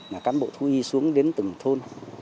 là cán bộ thu y xuống đến từng thôn